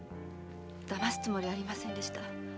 騙すつもりはありませんでした。